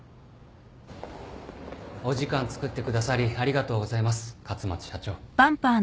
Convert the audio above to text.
お時間つくってくださりありがとうございます勝又社長。